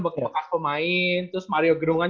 bekas pemain terus mario gerungan